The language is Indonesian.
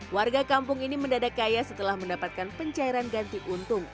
warga kampung ini mendadak kaya setelah mendapatkan pencairan ganti untung